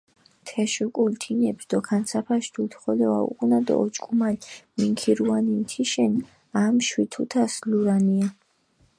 თეშ უკულ თინეფს დოქანცაფაშ დუდი ხოლო ვაუღუნა დო ოჭკომალ მინქირუანინ თიშენ ამშვი თუთას ლურანია.